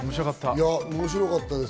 面白かったです。